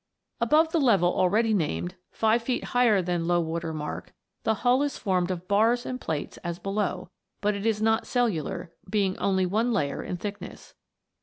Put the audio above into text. Above the level already named, five feet higher than low water mark, the hull is formed of bars and plates as below ; biit it is not cellular, being only one layer in thickness.